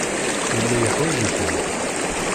Yella yeḥwaj-ikem.